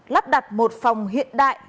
lắp đặt một phòng hiện đại